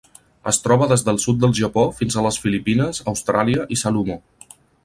Es troba des del sud del Japó fins a les Filipines, Austràlia i Salomó.